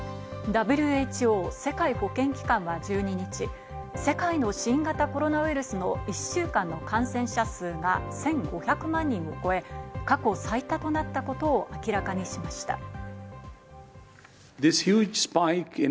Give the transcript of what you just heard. ＷＨＯ＝世界保健機関は１２日、世界の新型コロナウイルスの１週間の感染者数が１５００万人を超え、過去最多となったことを明らかにしました。